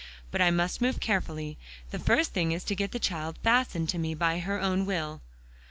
But I must move carefully. The first thing is to get the child fastened to me by her own will."